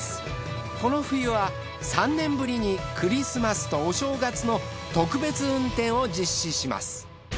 この冬は３年ぶりにクリスマスとお正月の特別運転を実施します。